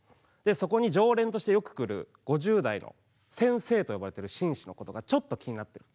そこに常連としてよく来る５０代の先生と呼ばれている紳士のことがちょっと気になっている。